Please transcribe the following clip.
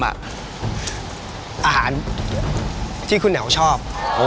อาหารที่คุณแอ๋วชอบ